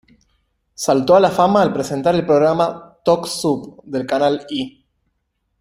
Saltó a la fama al presentar el programa "Talk Soup" del canal E!